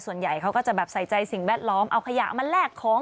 ส่วนใหญ่เขาก็จะแบบใส่ใจสิ่งแวดล้อมเอาขยะมาแลกของ